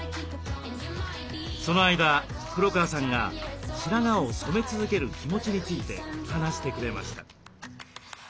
その間黒川さんが白髪を染め続ける気持ちについて話してくれました。